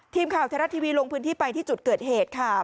ทีมข่าวไทยรัฐทีวีลงพื้นที่ไปที่จุดเกิดเหตุค่ะ